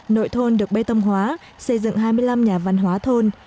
nội thôn được bê tông hóa xây dựng hai mươi năm nhà văn hóa thôn